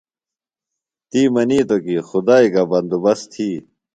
تی منِیتوۡ کی خدائی گہ بندوبست تھی۔